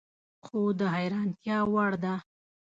خو د حیرانتیا وړ ده